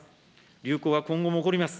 流行は今後も起こります。